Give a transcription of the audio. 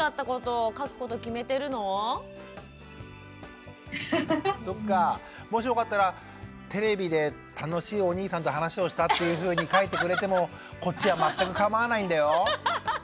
さなちゃんそっかもしよかったらテレビで楽しいお兄さんと話をしたっていうふうに書いてくれてもこっちは全く構わないんだよ。